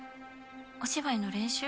お芝居の練習？